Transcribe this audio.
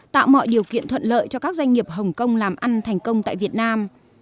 tạo mọi điều kiện thuận lợi cho các doanh nghiệp hồng kông làm ăn thành công tại việt nam